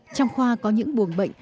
trong khoa có những buồng bệnh